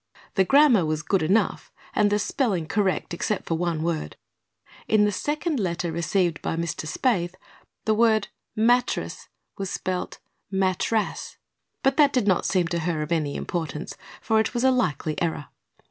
The grammar was good enough and the spelling correct except for one word. In the second letter received by Mr. Spaythe the word "mattress" was spelled "mattrass"; but that did not seem to her of any importance, for it was a likely error.